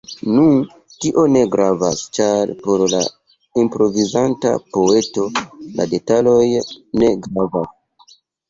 Nu, tio ne gravas, ĉar por la improvizanta poeto la detaloj ne gravas.